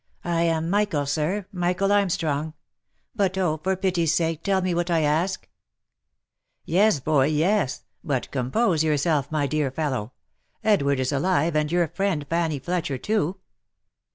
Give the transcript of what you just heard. " 1 am Michael, sir, Michael Armstrong. But oh ! for pity's sake, tell me what I ask !"" Yes, boy, yes. But compose yourself, my dear fellow ! Edward is alive, and your friend Fanny Fletcher too."